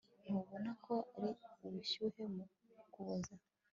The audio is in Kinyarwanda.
ntubona ko ari ubushyuhe mu kuboza